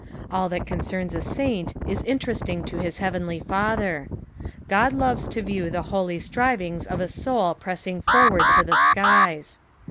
All that concerns a saint ia interesting to his heavenly Father. God loves to view the holy strivings of a soul pressing forward to tbe ■kies.